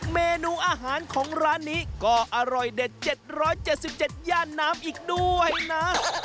เมนูอาหารของร้านนี้ก็อร่อยเด็ด๗๗ย่านน้ำอีกด้วยนะ